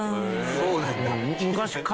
そうなんだ。